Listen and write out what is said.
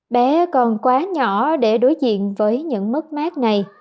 bé còn quá nhỏ để đối diện với những mất mát này